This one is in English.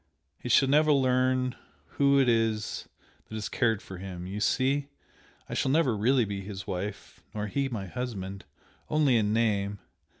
he shall never learn who it is that has cared for him! You see? I shall never be really his wife nor he my husband only in name.